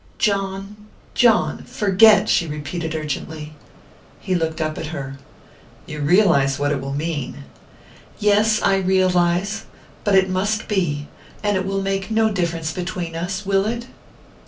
"John John forget!" she repeated urgently. He looked up at her. "You realize what it will mean?" "Yes I realize.... But it must be.... And it will make no difference between us...will it?"